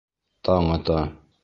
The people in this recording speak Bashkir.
Таң ата.